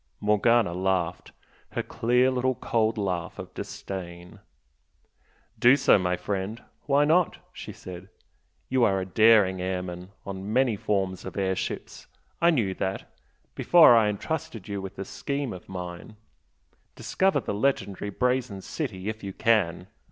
Morgana laughed, her clear little cold laugh of disdain. "Do so, my friend! Why not?" she said "You are a daring airman on many forms of airships I knew that, before I entrusted you with the scheme of mine. Discover the legendary 'Brazen City' if you can!